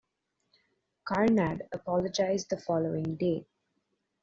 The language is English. Karnad apologised the following day.